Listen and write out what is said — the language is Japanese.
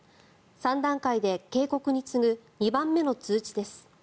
３段階で警告に次ぐ２番目の通知です。